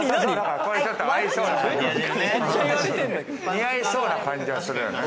似合いそうな感じはするよね。